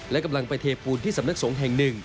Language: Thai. และกำลังไปเทปูนที่สำนักสงฆ์แห่งหนึ่ง